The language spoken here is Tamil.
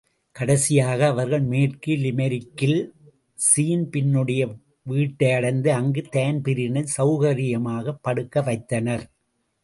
கடைசியாக அவர்கள் மேற்கு லிமெரிக்கில் ஸீன்பின்னுடைய வீட்டையடைந்து அங்கு தான்பிரீனைச் செளகரியமாய்ப் படுக்கவைத்தனர்.